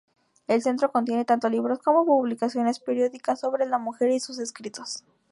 El Centro contiene tanto libros como publicaciones periódicas sobre la mujer y sus escritos.